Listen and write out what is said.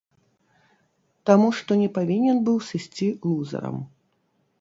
Таму што не павінен быў сысці лузэрам.